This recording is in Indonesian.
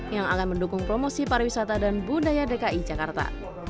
yang akan mendukung promosi pariwisata dan budaya dki jakarta